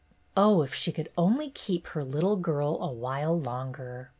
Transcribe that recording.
Oh, if she could only keep her little girl a while longer!